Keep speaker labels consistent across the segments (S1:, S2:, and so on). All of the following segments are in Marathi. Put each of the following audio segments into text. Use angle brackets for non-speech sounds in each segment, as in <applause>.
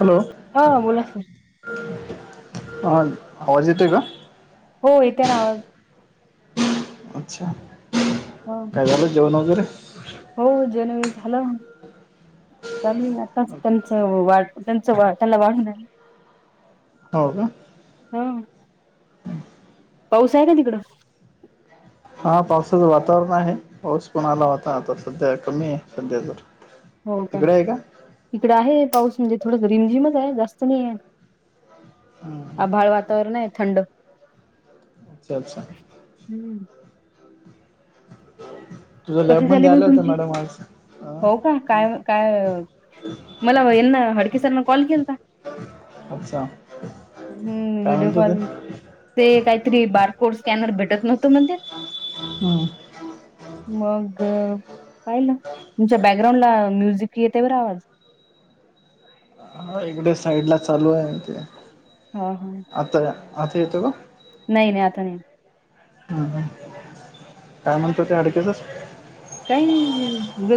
S1: हॅलो.
S2: हा बोला.
S1: ह आवाज येतोय का.
S2: हो येते ना आवाज.
S1: अच्छा.
S2: हा.
S1: काय झालं जेवन वगैरे.
S2: हो जेवण झालं. चालेल आता त्यांच वाढत्यांच वा त्यांना वाढून येते.
S1: हो का.
S2: हा. पाऊस आहे का तिकडं.
S1: हा पावसाचं वातावरण आहे. पाऊस पण आला होता, आता सध्या कमी आहे सध्या तर.
S2: हो का
S1: तिकडे आहे
S2: इकडे आहे पाऊस म्हणजे थोड रिमझिमच आहे जास्त नाही आहे.
S1: हम्म,
S2: आभाळ वातावरण आहे थंड.
S1: अच्छा अच्छा.
S2: हम्म.
S1: तुझ्या
S2: कशी झाली
S1: लॅबमध्येध्ये
S2: मग
S1: आल्या होत्या
S2: तुमची
S1: मॅडम आज. हा
S2: हो का काय काय. मला यांना हडकेसरांना कॉल केलता...
S1: अच्छा
S2: हम्म
S1: काय
S2: व्हडिओ
S1: म्हणतो ते
S2: कॉल... ते काहीतरी बारकोड स्कॅनर भेटत नव्हतो म्हणजे...
S1: हम....
S2: मग पाहिलं तुमच्या बॅकग्राउंड ला म्युझिक येतेवर आवाज...
S1: ह इकडे साईड ला चालू आहे ते...
S2: हा हा....
S1: आता आता येत ग...
S2: नाही नाही आता नाही...
S1: हम ह काय म्हणतो ते अडक्याचच...
S2: काही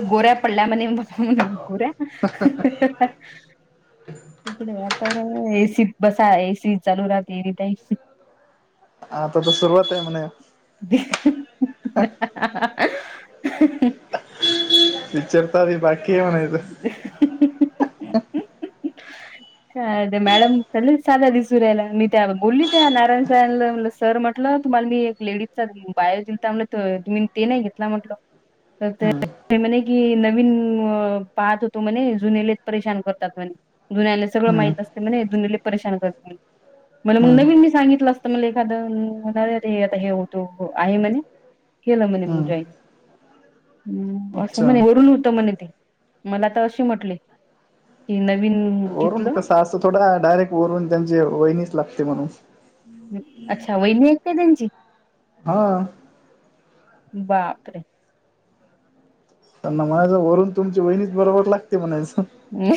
S2: गोऱ्या पडल्या म्हन म्ह गोऱ्या... तिकडे तर एसी बसा एसी चालू राहते येरी टई...
S1: आ आता तर सुरुवात आहे म्हणे....
S2: हं हं हं....
S1: विचारतारी बाकी म्हणा...
S2: ह... अ मॅडम च साधा दिसू राहायला मी त्या बोलली त्या नारायन सारांना... सर म्हटलं तुम्हाला मी एक लेडीजचा बायो जिलता म्हटलं तुम्ही ते नाही घेतला म्हटलं तर
S1: हम्म
S2: ते म्हणे कि नवीन पाहत होतो म्हणे जुनेलेच परेशान करतात म्हणे.... जुन्याला सगळं
S1: हम्म
S2: माहित असते म्हणे जुन्याले परेशान करतात म्हणे.... मला मग
S1: हम्म
S2: नवीन मी सांगितलं असत मला एखादं म्हणारे आता हे होतो आहे म्हणे.... केलं म्हणे मी जॉईन,
S1: हम्म
S2: हम असं
S1: अच्छा
S2: म्हणे वरून होत म्हणे ते... मला तर अशी म्हटले की नवीन.....
S1: वरून
S2: घेतलं
S1: कसा असं थोडा डायरेक्ट वरून त्यांची वहिणीच लागते म्हणून.....
S2: अच्छा वहिनी एक काय त्यांची...
S1: हा....
S2: बापरे....
S1: त्यांना म्हणायचं वरून तुमची वहिणीच बरोबर लागते म्हणायचं....
S2: ह...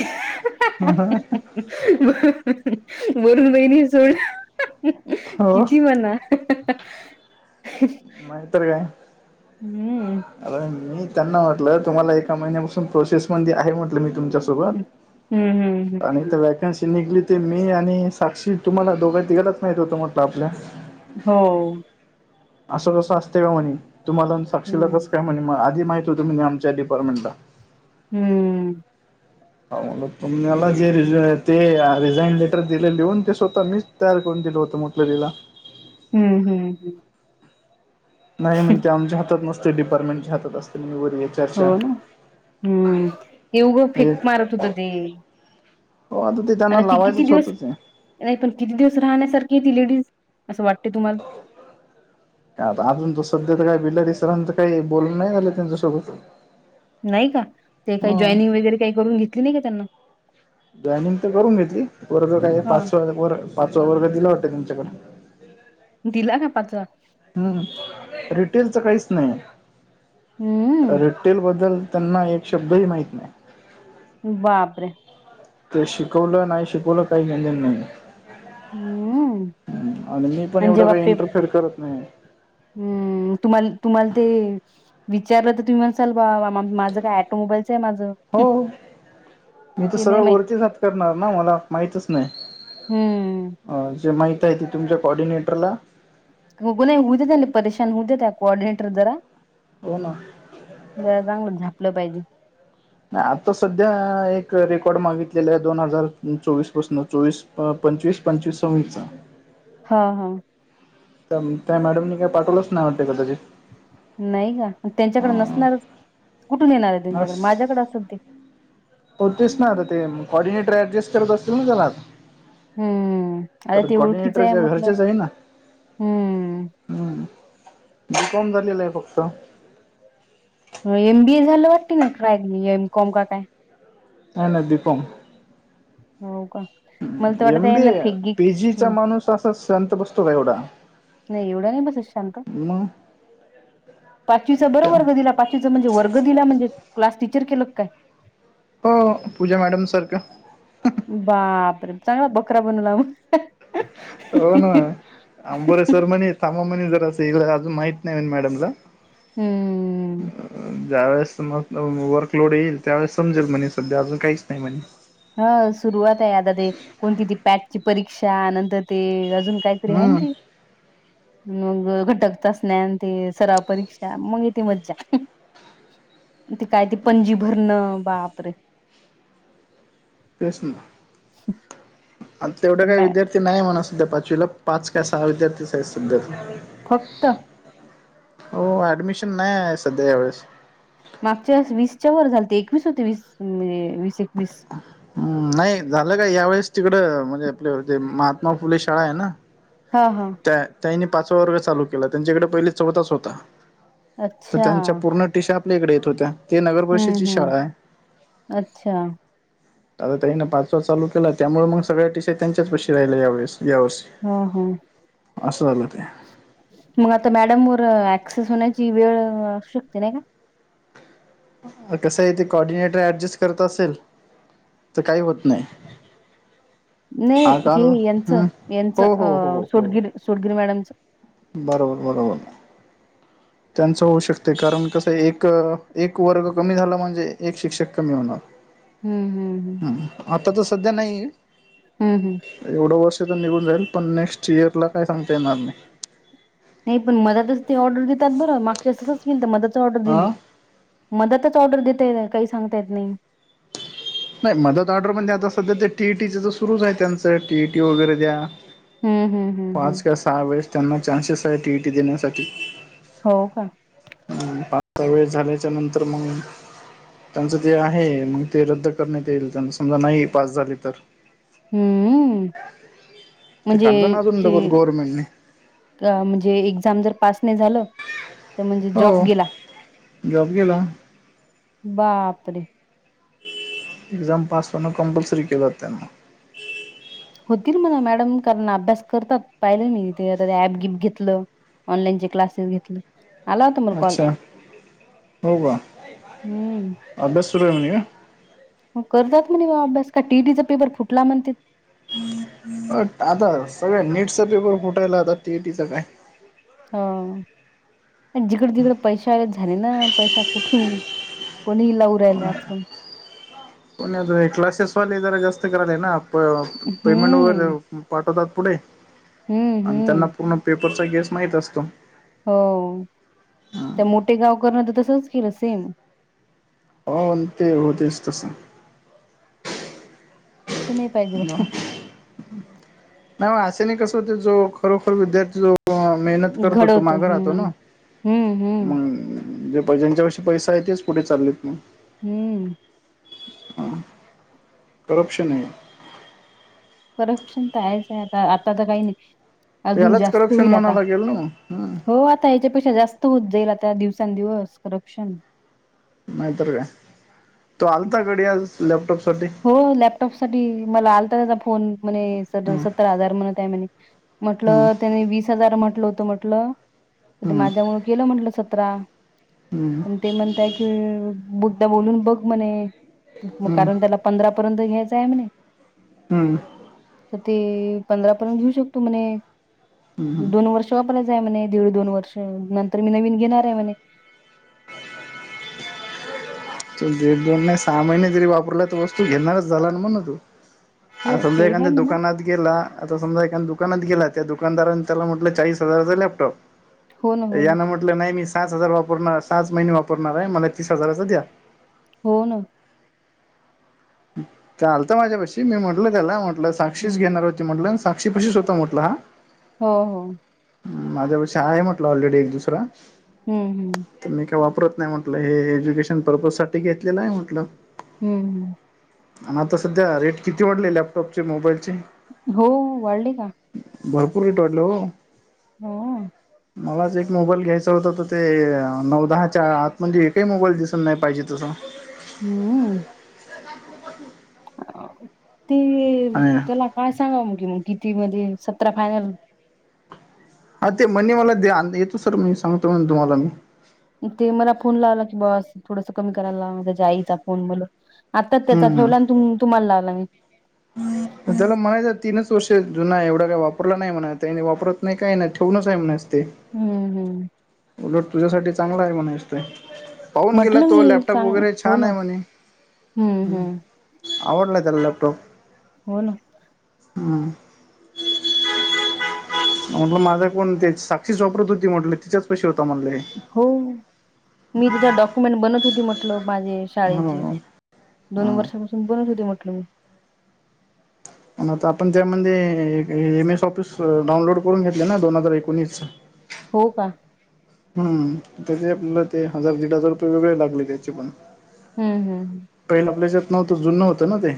S2: म्हनून वहिणी सोड
S1: हो
S2: किती म्हणा... हं हं हं...
S1: मग तर काय...
S2: हम्म
S1: अर मी त्यांना म्हटलं तुम्हाला एका महिन्यापासून प्रोसेस मध्ये आहे म्ह.... तुमच्या
S2: हं, हं, हं, हं,
S1: सोबत आणि इथ
S2: हं.
S1: लाईक शी निघली ते मी आणि साक्षी तुम्हाला दोघां तिघांनाचं माहीत होत म्हटलं आपल्या....
S2: हो...
S1: असं कसं असते का म्हणे तुम्हाला
S2: हं,
S1: साक्षीला कस काय म्हणे मगधी माहतीत तुम्ही आमच्या डिपार्टमेंटला...
S2: हम्म..
S1: तुम मला जे र ते रिझाईन लेटर दिले लिहून ते स्वतः मी.... तयार कोण दिलं होतं म्हटलं तिला...
S2: हम्म हम्म हम...
S1: नाही म्हण ते आमच्या हात नसते डिपार्टमेंटच्या हात असते म वर येत...
S2: हो ना हम्म हे ऊग फिक मारत होत ते...
S1: हो अ...
S2: आता ती किती दिवस नाही पण किती दिवस राहण्यासारखी य ती लेडीज असं वाटते तुम्हाला....
S1: हो... आता अजून त सध्या तर का बिलारी सरांच काही बोलून नाही झालं त्यांच्यासोबत...
S2: नाही का ते काही
S1: ह
S2: जॉईनिंग वगैरे काही करून घेतली नाही का त्यांना...
S1: जॉईनिंग तर करून घेतली वर्ग काय
S2: हां.
S1: पाचवा व पाचवा वर्ग दिला वाटत तुमच्याकडे...
S2: दिला का पाच...
S1: हम्म रिटेलच काहीच नाही
S2: हम्म
S1: रिटटेल बद्दल त्यांना एक शब्द हही माहत नाही
S2: बापरे
S1: ते शिकवलं नाही शिकवलं काही निंजन नाही
S2: हं.
S1: आणि मी पण एवढं काही इंटरफेअर करत नाही
S2: हम्म तुम्हाला तुम्हाला ते विचारलं तर तुम्ही म्हणसाल बा माझं काय ऑटोमबाईलच आहे माझं
S1: हो मी तर
S2: ते नाही
S1: सरळ
S2: माहित.
S1: वरतीच हात करणार ना मला माहितच नाही
S2: हं.
S1: अ जे माहती आहे ते तुमच्या कॉऑर्डिनेटरला
S2: हो नाही होऊ देेत परेशान होऊ द त्या कोऑर्डिनेटर जरा
S1: हो ना
S2: जरा चांगलं झापलं पाहिजे
S1: नाही आता सध्या एक रेकॉर्ड मागितलेला आहे दोन हजार चोवीस पासून चोवीस अ पंचवीस पंचवीस सवीचा
S2: हा हा
S1: तर त्या मॅडमनी काय पाठवलंच नाही वाटते कदाचित
S2: नाही का त्यांच्याकडे
S1: हा
S2: नसणारच कुठून येणार आहे त्यांच्याकडे माझ्याकडे असेल ते
S1: होतेच ना आता ते कॉर्डिनेटर ऍडजस्ट करत असतील ना चलाता
S2: हम्म आता
S1: कारण
S2: ते ओळखीचं आहे
S1: कर्डिनेटरच्या
S2: म्हटलं
S1: घरच्याच आहे ना
S2: हम्म
S1: हम्म बीिकॉम झालेला आहे फक्त
S2: एम बीए झालं वाटते ना्रय एम कॉम काय
S1: ह नांदीप
S2: हो का मला तर वाटत आहे
S1: एमबी
S2: ना फेकगी
S1: पीजीचा माणूस असा शांत बसतो का एवढा
S2: नाही एवढं नाही बसत शांत
S1: मग
S2: पाचवीचा बरो वर्ग दिला पा व म्हण क्ी के काय
S1: हो पूजा मॅडम सारखं
S2: बापरे चांगला बकरा बनवला मग
S1: हो ना अंबोरेश्वर मणी थांमामणी जर असं इ अजून माहित नाही मॅडमला
S2: हम्म
S1: ह ज्या वेळेसमज वर्कलोड येईल त्यावेेळेस समजेल म्हणे सध्या अजून काहीच नाही म्हणे
S2: हा सुरुवात आहे आता ते कोणती ती पॅटची परीक्षा नंतर ते अजून काहीतरी ह
S1: हम्म
S2: त
S1: <inaudible>
S2: मग घटकचा स्नान ते सराव परीक्षा मग य ती मज्जा ते काय ते पणजी भरणं बापरे
S1: प्रष्न
S2: श
S1: आता तेवढं काय विद्यार्थी नाही म्हणा सध्या पाचवीला पाच काय सहा विद्यार्थीच आहेत सध्या
S2: फक्त
S1: हो ऍडमिशन नाही आहे सध्या यावेळेस
S2: मागच्या वीसच्या वर झाल ते एकवीस होते वीस म्हणजे वीस एकवीस
S1: हम् नाही झालं का या वेळेस तिकड म्हणजे आपले जे महात्मा फुले शाळा आहे ना
S2: हा हा
S1: त्यांनी पाचवा वर्ग चालू केला त्यांच्याकडे पहिली चौथास होता तर
S2: अच्छा
S1: त्यांच्या पूर्ण टिशा आपल्या इकडे येत होत्या ते नगर
S2: हम्म
S1: पररिषेची
S2: हम्म
S1: शाळा आहे
S2: अच्छा
S1: आता त्याने पाच वाज चालू केला त्यामुळे मग सगळ्या टीशय त्यांच्याच पशी राहिल्या यावेळेस यावेळे
S2: हा हा
S1: असं झालं ते
S2: मग आता मॅडम वर ऍक्सेस होण्याची वेळ असू शकते नाय का?
S1: कसं आहे तेे कॉर्डिनेटर ऍडजस्ट करत असेल तर काही होत नाय.
S2: नाही हे यांच यांच
S1: हो हो
S2: अ
S1: हो हो
S2: सोडगिर सोडगिर मॅडमच
S1: बरोबर बरोबर. त्यांच होऊ शकतय कारण कसं एक एक वर्ग कमी झाला म्हणजे एक शिक्षक कमी होणार.
S2: हम्म हम्म हम्म.
S1: हम् आता तर सध्या नाही.
S2: हम्म हम्म.
S1: एवढं वर्ष तर निघून जाईल पण नेक्स्ट इयर ला काय सांगता येणार नाय.
S2: नाय पण मदातच ते ऑर्डर देतात बरं मागच्या वेळेस तसच केलत मदातच ऑर्डर
S1: हा
S2: दिली. मदतच ऑर्डर देताय काही सांगता येत नाही.
S1: नाय मदत ऑर्डर म्हणजे आता सध्या ते टी ई टीच तर सुरूच आहे त्यांचं टी ई टी वगैरे द्या
S2: हम्म हम्म हम्म हम्म.
S1: या वेळेस त्यांना चान्सेस आहे टी ई टी देण्यासाठी.
S2: हो का?
S1: हम्म पाच <unintelligible> वेळेस झाल्याच्या नंतर मग त्यांचं तेे आहे मग ते रद्द करण्यात येईल त्यांना समजा नाही पास झाले तर
S2: हूं हम्म हूं
S1: ते
S2: म्हणजे
S1: काढलं ना अजून
S2: जे
S1: डबल गव्हर्नमेंटने
S2: अ म्हणजे एक्झाम जर पास नाय झालं तर म्हणजे जॉब
S1: हो
S2: गेला.
S1: जॉब गेला.
S2: बाप रे!
S1: एक्झाम पास होणं कंपल्सरी केलं जातय म
S2: होतील म्हणा मॅडम कारण अभ्यास करतात पाहिले मी तिथे आता ऍप गिफ घेतलं ऑनलाईनचे क्लासेस घेतल. आला होता मला कॉल?
S1: अच्छा हो का
S2: हम्म.
S1: अभ्यास सुरूये म्हणे का?
S2: म करतात म्हणे बा अभ्यास का टी इ टीचा पेपर फुटला म्हणतेट
S1: अ आत सगळ्या नीटचा पेपर फुटायला आता टी ई टी चा काय?
S2: हा. आणि जिकड तिकड पैश आ झाले ना पैसा कुठून कोणी लावू राहिलाय आज काल.
S1: पण आता हे क्लासेस वाले जरा जास्त कराले ना प पेमेंट वगैरे
S2: हम्म.
S1: पाठवतात पुढे
S2: हम्म,
S1: आणि त्यांना
S2: हम्म.
S1: पूर्ण पेपरचा गेस माहीत असतो.
S2: हो त्या मोठे गाव करण तर तसच केलं सेम.
S1: हो ते होतयच तस.
S2: असं नाही पाहिजे बा
S1: नाई ओ अशानी कस होतय जो खरोखर विद्यार्थी जो तो मेहनत करतो तो
S2: घडवतो.
S1: माग राहतो
S2: हम्म.
S1: ना
S2: हम्म, हम्म.
S1: मंग म्हणजे प ज्यांच्यापाशी पैसा आहे तेच पुढे चाललेत मंग
S2: हम्म.
S1: करप्शन आहे.
S2: करप्शन त आहेच आहे आता आता तर काही नाही अजून
S1: यालाच
S2: जास्त
S1: करप्शन
S2: होईल
S1: म्हणावं
S2: आता,
S1: लागेल ना मग.
S2: हो आत ता याच्या पेक्षा जास्त होत जाईल आता दिवसां दिवस करप्शन.
S1: नाहीतर काय, तो आलता गडी आज लॅपटॉप साठी
S2: हो लॅपटॉप साठी मला आलता त्याचा फोन म्हणे स
S1: हम्म
S2: सत्तर हजार म्हणत आहे म्हणे
S1: हम्म
S2: म्हटलं त्याने वीस हजार म्हटलं होतं म्हटलं. आता
S1: हम्म
S2: माझ्या मुळं केलं म्हंटलं सतरा.
S1: हम्म.
S2: पण ते म्हणताय की मुद्दा बोलून बघ म्हणे
S1: हम्म
S2: कारण त्याला पंधरा पर्यंत घ्यायचं आहे म्हणे.
S1: हम्म
S2: तर ते पंधरा पर्यंत घेऊ शकतो म्हणे
S1: हम्म
S2: दोन वर्ष शॉपलाच आहे म्हणे दीड दोन वर्ष नंतर मी नवीन घेणार आहे म्हणे
S1: <inaudible> दीड दोन नाही सहा महिने जरी वापरला तर वस्तू घेणारच झाला ना म्हण तू ह
S2: हो
S1: समजा
S2: ते आहे
S1: एखाद्या
S2: म्हणा
S1: दुकानात गेला आता समजा एका दुकानात गेला त्या दुकानदाराने त्याला म्हटलं चाळीस हजारचा लॅपटॉप
S2: हो ना हो ना
S1: याना म्हटलं नाही मी सात हजार वापरणार सात महिने वापरणार आहे मला तीस हजाराचा द्या
S2: हो ना
S1: इथं आलतं माझ्यापाशी मी म्हटलं त्याला म्हटलं साक्षीस
S2: हम्म.
S1: घेणार होती म्हटलं साक्षी पशीच होता म्हटला हा
S2: हो हो
S1: माझ्या पशी आहे म्हटलं ऑलरेडी एक दुसरा
S2: हम्म हम्
S1: मी काय वापरत नाही म्हटलं हे एज्युकेशन पर्पज साठी घेतलेलं आहे म्हटलं
S2: हम्म
S1: आणि आता सध्या रेट किती वाढले लॅपटॉपचे मोबाईलचे
S2: हो वाढली का?
S1: भरपूर रेट वाटलं ओ.
S2: हो.
S1: मलाच एक मोबाईल घ्यायचा होता तर ते नऊ दहाच्या आतमध्ये एकही मोबाईल दिसल नाही पाहिजे तसा.
S2: उम्म.
S1: <inaudible>
S2: ते
S1: आणि
S2: त्याला काय सांगा म की मग किती मध्ये सतरा फायनल
S1: हा ते मनी मला द्या येतो सर म सांगतो म्हणे तुम्हाला मी
S2: ते मला फोन लावला की बस थोडस कमी करायला लाव त्याच्या आईचा फोन मला आत्ताच त्याचा
S1: हम्म
S2: ठेवला आणि तुम्हाला लावला मी
S1: त्याला म्हणायचं तीनच वर्ष जुना एवढा का वापरला नाही म्हणाय वापरत नाही काय नाही ठेवूनच आहे म्हणच ते
S2: हम्म हम्
S1: उलट तुझ्यासाठी चांगला आहे म्हणायचं ते पाहून गेला
S2: म्हटलं मी
S1: तो लॅपटॉप
S2: सांग
S1: वगैरे
S2: हो
S1: छान
S2: ना
S1: आहे म्हणे
S2: हम्म हम्म
S1: आवडला त्याला लॅपटॉप
S2: हो ना
S1: हम म्हटलं माझा फोन ते साक्षीस वापरत होती म्हटलं तिच्याच पशी होता म्हटलं हे
S2: हो मी त्याच्या डॉक्युमेंट बनत होती म्हटलं माझे शाळेचे
S1: हो
S2: दोन
S1: हा
S2: वर्षापासून बनत होते म्हटलं मी
S1: आता आपण त्यामध्ये ए एम एस ऑफिस डाउनलोड करून घेतले ना दोन हजार एकोणीस
S2: हो का
S1: हम्म त्याचे आपल्याला ते हजार दीड हजार रुपये वेगळे लागले त्याचे पण
S2: हम्म हम् ह
S1: पैल आपल्याच्यात नव्हतं जुनं होतं ना ते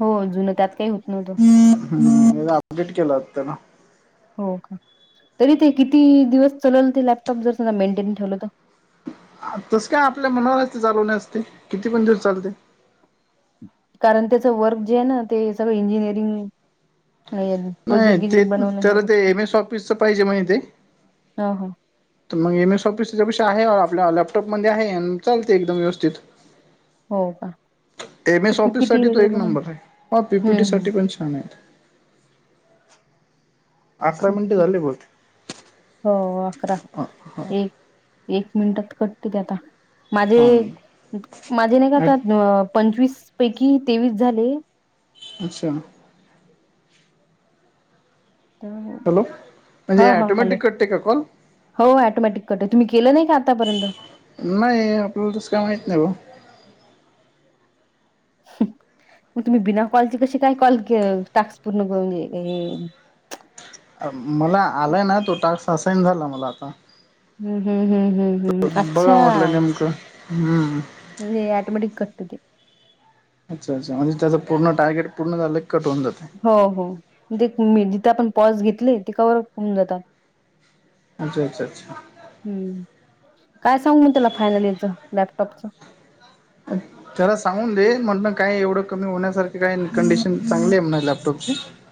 S2: हो जुन त्यात काही होत नव्हतं
S1: नाहीतर अपडेट केलं असतं ना
S2: हो का तरी ते किती दिवस चलल ते लॅपटॉप जर त्यां मेंटेन ठेवलं तर
S1: तस काय आपल्या मनावरच ते चालवणे असते किती पण दिवस चालते
S2: कारण त्याच वर्क जे आहे ना ते सगळं इंजिनिअरिंग आहे
S1: नाही ते त्याला ते एम एस ऑफिसच पाहिजे म्हणे ते
S2: ह ह
S1: तर मग एम एस ऑफिस तुझ्यापाशी आहे, आपल्या लॅपटॉपमध्ये आहे चालते एकदम व्यवस्थित
S2: हो का
S1: एम
S2: ते
S1: एस ऑफिस
S2: पीपीटी
S1: साठी तो
S2: वगैरे
S1: एक
S2: बनवून
S1: नंबर आहे ह पीपीटी
S2: हम्म
S1: साठी पण छान आहे. अकरा मिनिटे
S2: हम्म.
S1: झाले बोल.
S2: हो अकरा
S1: ह
S2: एक एक मिनिटात कटते ते आता. माझे
S1: हा
S2: माझे नाही का आता पंचवीस पैकी तेवीस झाले.
S1: अच्छा.
S2: हो
S1: हॅलो
S2: हा
S1: म्हणजे
S2: हा हॅलो.
S1: ऑटोमॅटिक कटते का कॉल
S2: हो ऑटोमॅटिक कट आहे तम् के नाही का आतापर्यंत.
S1: नाही आपल्याला तस काय माहत नाही ओ.
S2: मग तुम्ही बिना कॉलचे कसे काय कॉल टास्क पूर्ण <unintelligible>
S1: मला आलाय ना तो टाक हसाईन झाला मला आता.
S2: हम् हम् हम् हम्
S1: बघा म्हटलं नेमकं हम्म
S2: ऑटोमॅटिक कटत ते
S1: अच्छा अच्छा म्हणजे त्याझ पूर्ण टार्गेट पूर्ण झालं कट होन जाते.
S2: हो हो म्हजे जिथे आपण पॉज घेतले ते कवरप होऊन जातात.
S1: अच्छा अच्छा अच्छा.
S2: हम्म काय सांग म त्याला फायनल याचं लॅपटॉपचं.
S1: अ. त्याला सांगून दे म्हण पण काय एवढं कमी होण्यासारखे काय कंडिशन चांगली आहे म्ह लॅपटॉपची.